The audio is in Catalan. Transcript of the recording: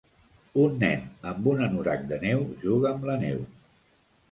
Un nen amb un anorac de neu juga amb la neu.